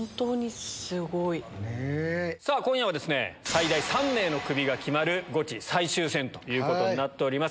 さあ、今夜は最大３名のクビが決まるゴチ最終戦ということになっております。